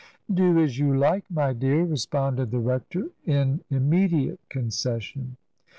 " Do as you like, my dear," responded the rector in immediate concession.